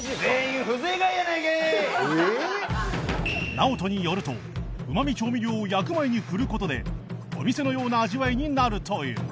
ナオトによるとうま味調味料を焼く前に振る事でお店のような味わいになるという